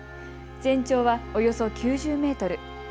全長はおよそ９０メートル。